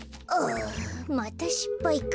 あまたしっぱいか。